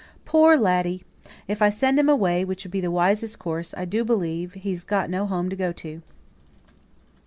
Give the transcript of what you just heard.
Poor laddie! if I send him away, which would be the wisest course, I do believe he's got no home to go to."